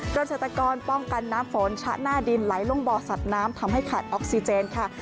เกษตรกรป้องกันน้ำฝนชะหน้าดินไหลลงบ่อสัตว์น้ำทำให้ขาดออกซิเจนค่ะ